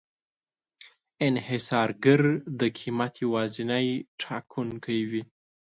انحصارګر د قیمت یوازینی ټاکونکی وي.